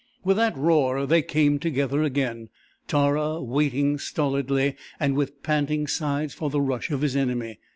With that roar they came together again, Tara waiting stolidly and with panting sides for the rush of his enemy.